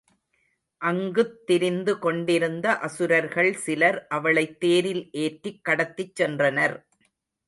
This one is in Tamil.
அங்குத் திரிந்து கொண்டிருந்த அசுரர்கள் சிலர் அவளைத் தேரில் ஏற்றிக் கடத்திச் சென்றனர்.